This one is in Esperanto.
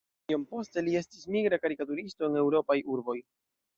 Iom poste li estis migra karikaturisto en eŭropaj urboj.